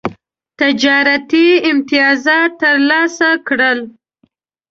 تجارتي امتیازات ترلاسه کړل.